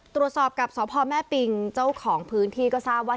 ตรวจสอบกับสพแม่ปิงเจ้าของพื้นที่ก็ทราบว่า